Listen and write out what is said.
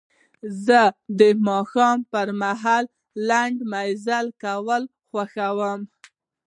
زه د ماښام پر مهال لنډ مزل کول خوښوم.